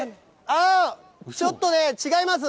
ああ、ちょっと違います。